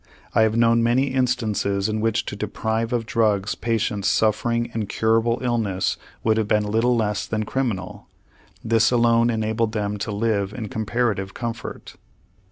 I have known many instances in which to deprive of drugs patients suffering incurable illness would have been little less than criminal. This alone enabled them to live in comparative comfort.